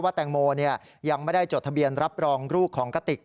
แตงโมยังไม่ได้จดทะเบียนรับรองลูกของกติก